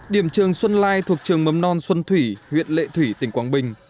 điểm trường xuân lai thuộc trường mầm non xuân thủy huyện lệ thủy tỉnh quảng bình